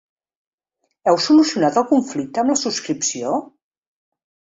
Heu solucionat el conflicte amb la subscripció?